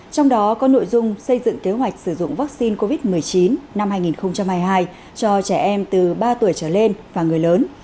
trong đó có nội dung xây dựng kế hoạch sử dụng vaccine covid một mươi chín năm hai nghìn hai mươi hai cho trẻ em từ ba tuổi trở lên và người lớn